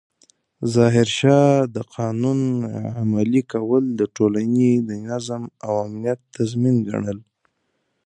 ظاهرشاه د قانون عملي کول د ټولنې د نظم او امنیت تضمین ګڼل.